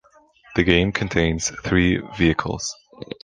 The game contains three vehicles.